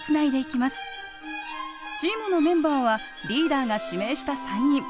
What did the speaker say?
チームのメンバーはリーダーが指名した３人。